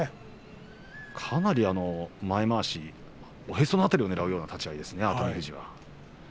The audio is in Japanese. かなり前まわしおへその辺りをねらうような立ち合いですね。